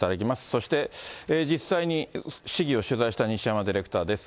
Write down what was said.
そして、実際に市議を取材した西山ディレクターです。